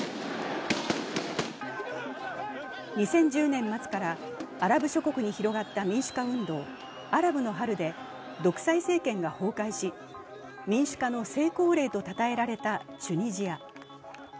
２０１０年末からアラブ諸国に広がった民主化運動・アラブの春で独裁政権が崩壊し、民主化の成功例とたたえられたチュニジア。